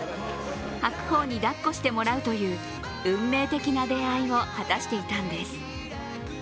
白鵬に抱っこしてもらうという運命的な出会いを果たしていたんです。